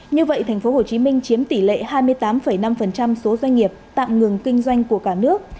như vậy thành phố hồ chí minh chiếm tỷ lệ hai mươi tám năm số doanh nghiệp tạm ngừng kinh doanh của cả nước